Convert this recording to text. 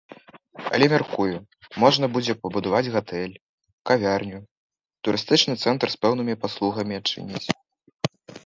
Але мяркую, можна будзе пабудаваць гатэль, кавярню, турыстычны цэнтр з пэўнымі паслугамі адчыніць.